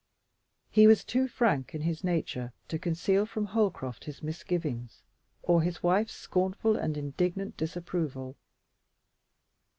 He was too frank in his nature to conceal from Holcroft his misgivings or his wife's scornful and indignant disapproval.